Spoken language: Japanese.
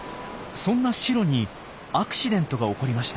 そんなシロにアクシデントが起こりました。